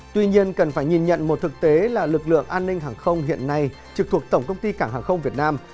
tuy nhiên cần phải nhìn nhận một thực tế là lực lượng an ninh hàng không hiện nay trực thuộc tổng công ty cảng hàng không việt nam